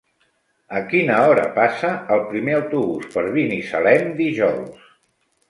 A quina hora passa el primer autobús per Binissalem dijous?